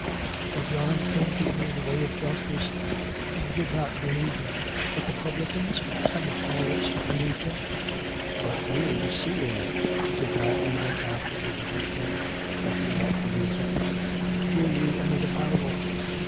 21:32. For John came to you in the way of justice: and you did not believe him. But the publicans and the harlots believed him: but you, seeing it, did not even afterwards repent, that you might believe him. 21:33. Hear ye another parable.